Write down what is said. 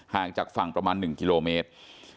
ห่างจากฝั่งประมาณ๑กิโลเมตร